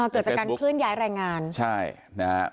เกิดจากการคลื่นย้ายแรงงาน